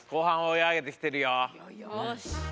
よし。